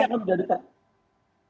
ya tentunya ini akan di jadikan